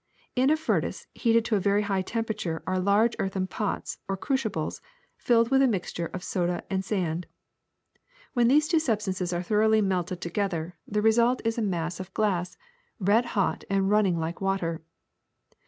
In a furnace heated to a very high temperature are large earthen pots or crucibles filled with a mixture of soda and sand. When these two substances are thoroughly melted together the result 150 THE SECRET OF EVERYDAY THINGS is a mass of glass, red hot and running like water.